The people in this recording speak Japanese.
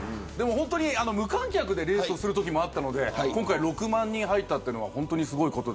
無観客でレースするときもあったので今回６万人入ったのは本当にすごいこと。